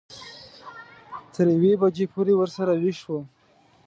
تر یوې بجې پورې ورسره وېښ وم.